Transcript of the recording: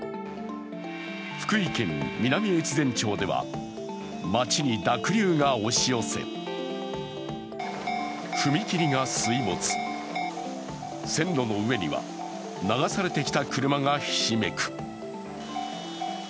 福井県南越前町では、町に濁流が押し寄せ、踏切が水没、線路の上には流されてきた車がひしめく。